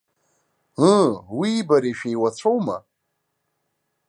Ыы, уии бареи шәеиуацәоума?